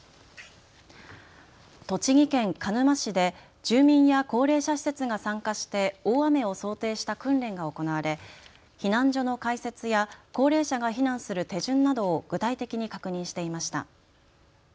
栃木県鹿沼市で住民や高齢者施設が参加して大雨を想定した訓練が行われ避難所の開設や高齢者が避難する手順などを具体的に確認していました。